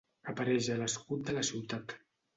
Apareix a l'escut de la ciutat.